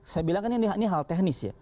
saya bilang kan ini hal teknis ya